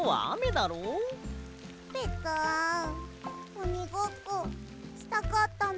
おにごっこしたかったな。